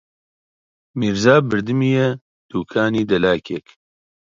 میرزا بردمییە دووکانی دەلاکێک